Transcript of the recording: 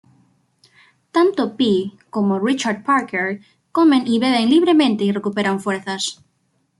Tanto Pi como Richard Parker comen y beben libremente y recuperan fuerzas.